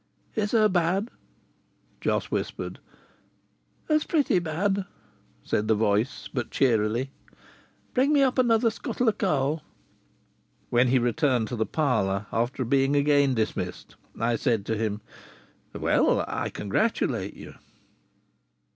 "Is her bad?" Jos whispered. "Her's pretty bad," said the voice, but cheerily. "Bring me up another scuttle o' coal." When he returned to the parlour, after being again dismissed, I said to him: "Well, I congratulate you."